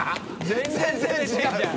全然違うじゃん。